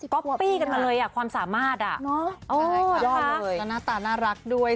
ก็ปี้กันมาเลยความสามารถอ่ะโอ้ยยยดีจริงค่ะน่ารักด้วย